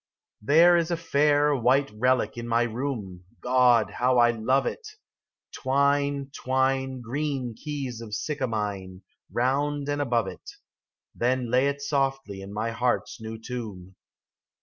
THERE is a fair, white relic in my room : God, how I love it 1 Twine, twine Green keys of sycamine Round and above it. Then lay it softly in my heart's new tomb.